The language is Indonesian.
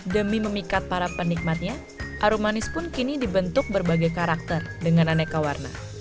demi memikat para penikmatnya aru manis pun kini dibentuk berbagai karakter dengan aneka warna